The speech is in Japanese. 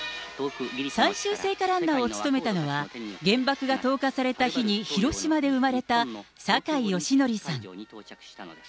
最終聖火ランナーを務めたのは、原爆が投下された日に広島で生まれた坂井義則さん。